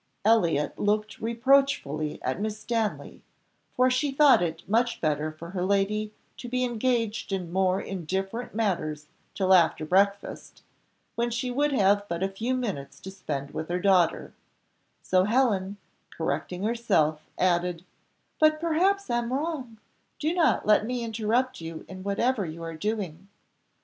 Elliott looked reproachfully at Miss Stanley, for she thought it much better for her lady to be engaged in more indifferent matters till after breakfast, when she would have but a few minutes to spend with her daughter; so Helen, correcting herself, added "But, perhaps I'm wrong, so do not let me interrupt you in whatever you are doing."